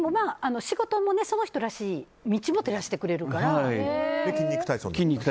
仕事もその人らしい道も照らしてくれるから。